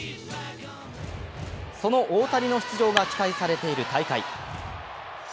その大谷の出場が期待されている大会。